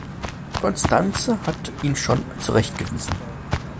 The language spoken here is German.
Constanze hat ihn schon zurechtgewiesen.